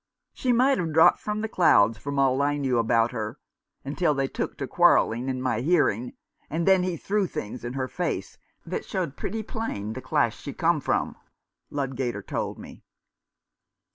" She might be dropped from the clouds for all I knew about her — until they took to quarrelling in my hearing, and then he threw things in her 236 Mr. Faunces Report continued. face that showed pretty plain the class she come from," Ludgater told me.